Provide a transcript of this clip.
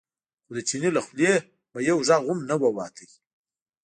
خو د چیني له خولې به یو غږ هم نه ووت.